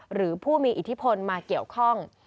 หรือผู้มีอิทธิพลมาเกี่ยวข้อง